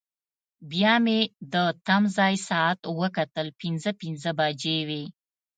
بیا مې د تمځای ساعت وکتل، پنځه پنځه بجې وې.